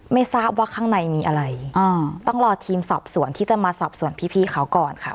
ไม่ทราบว่าข้างในมีอะไรต้องรอทีมสอบสวนที่จะมาสอบส่วนพี่เขาก่อนค่ะ